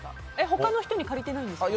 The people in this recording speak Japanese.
他の人に借りてないんですか？